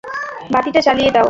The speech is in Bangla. বাতিটা জ্বালিয়ে দাও!